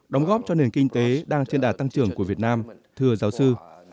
đóng góp cho nền kinh tế đang trên đà tăng trưởng của việt nam thưa giáo sư